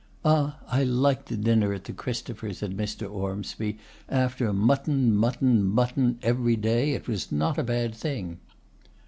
'Ah! I liked a dinner at the Christopher,' said Mr. Ormsby; 'after mutton, mutton, mutton, every day, it was not a bad thing.